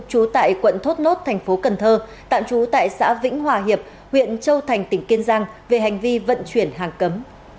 trú tại quận thốt nốt thành phố cần thơ tạm trú tại xã vĩnh hòa hiệp huyện châu thành tỉnh kiên giang về hành vi vận chuyển hàng cấm